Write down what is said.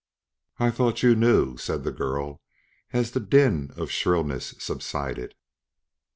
"I thought you knew," said the girl as the din of shrillness subsided.